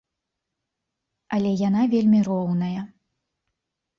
Але яна вельмі роўная.